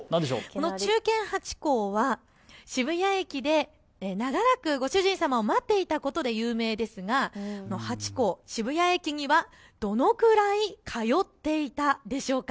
忠犬ハチ公は渋谷駅で長らくご主人様を待っていたことで有名ですがハチ公、渋谷駅にはどのくらい通っていたんでしょうか。